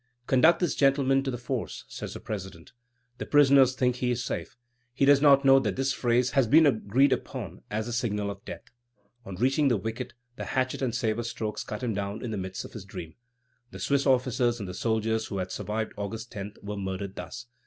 "Conduct this gentleman to the Force!" says the president. The prisoner thinks he is safe; he does not know that this phrase has been agreed upon as the signal of death. On reaching the wicket, hatchet and sabre strokes cut him down in the midst of his dream. The Swiss officers and soldiers who had survived August 10 were murdered thus.